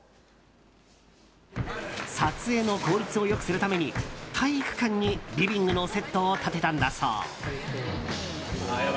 撮影の効率を良くするために体育館にリビングのセットを建てたんだそう。